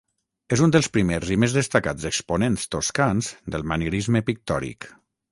És un dels primers i més destacats exponents toscans del manierisme pictòric.